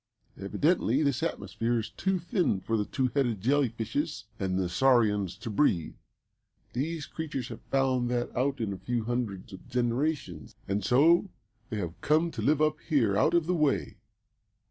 Evidently this atmosphere is too thin for the two headed jelly fishes and the saurians to breathe. These creatures have found that out in a few hundreds of generations, and so they have come to live up here out of the way.